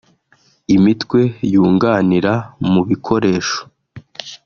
imitwe yunganira mu bikoresho